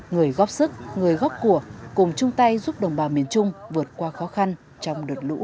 người góp sức người góp của cùng chung tay giúp đồng bào miền trung vượt qua khó khăn trong đợt lũ lụt vừa qua